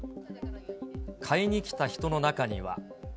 買いに来た人の中には。